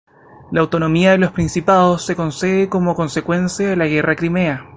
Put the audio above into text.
La autonomía de los principados se concede como consecuencia de la Guerra de Crimea.